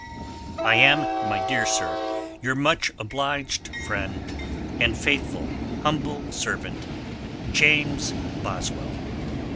[Page 4: Dedication.] I am, My dear Sir, Your much obliged friend, And faithful humble servant, JAMES BOSWELL.